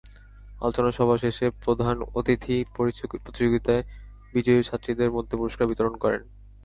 আলোচনা সভা শেষে প্রধান অতিথি প্রতিযোগিতায় বিজয়ী ছাত্রীদের মধ্যে পুরস্কার বিতরণ করেন।